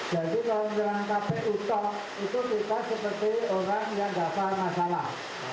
jadi kalau menyerang kpu tok itu kita seperti orang yang dapat masalah